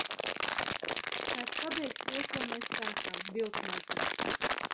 Kāds pabeigs to, ko mēs sākām, Vilknadzi!